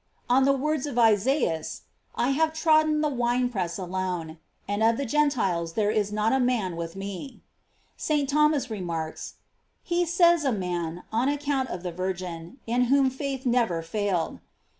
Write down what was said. f On the words of Isaias, "I have trodden the wine press alone, and of the Gentiles, there is not a man with me," J St. Thomas remarks: He says a man, on account of the Virgin, in whom faith never failed.